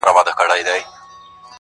داسي وخت هم وو مور ويله راتــــــــــه,